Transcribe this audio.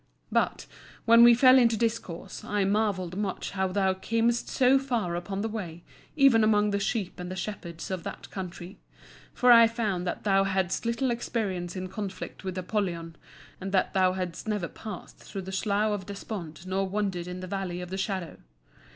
But, when we fell into discourse, I marvelled much how thou camest so far upon the way, even among the sheep and the shepherds of that country. For I found that thou hadst little experience in conflict with Apollyon, and that thou hadst never passed through the Slough of Despond nor wandered in the Valley of the Shadow.